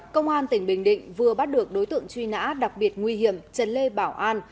công an tỉnh bình định vừa bắt được đối tượng truy nã đặc biệt nguy hiểm trần lê bảo an